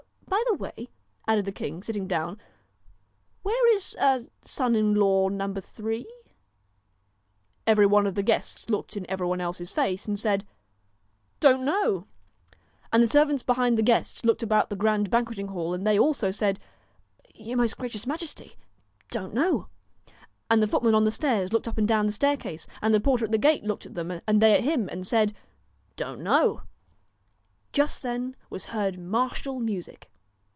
By the way,' added the king, sitting down, ' where is son in law number Three ?' Every one of the guests looked in every one else's face, and said 1 Don't know !' And the servants behind the guests looked about the grand banqueting hall, and they also said 'Your most gracious Majesty don't know.' And the footmen on the stairs looked up and down the staircase, and the porter at the gate looked at them, and they at him, and said :' Don't know.' Just then was heard martial music.